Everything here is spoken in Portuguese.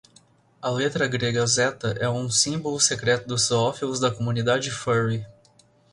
A letra grega zeta é um símbolo secreto dos zoófilos da comunidade furry